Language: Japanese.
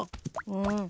うん。